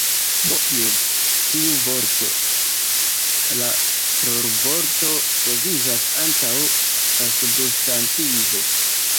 Do jes. Tiu vorto, la rolvorto troviĝas antaŭ la substantivo